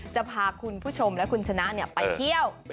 จะพาคุณผู้ชมและคุณชนะไปเที่ยว